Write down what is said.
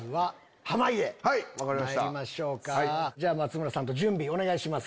松村さんと準備お願いします。